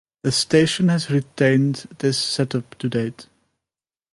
The station has retained this set-up to date.